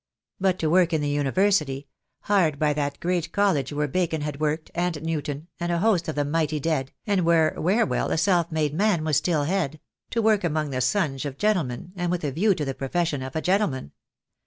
But to work in the University — hard by that great college where Bacon had worked, and Newton, and a host of the mighty dead, and where Whewell, a self made man, was still head — to work among the sons of gentlemen, and with a view to the profession of a gentleman.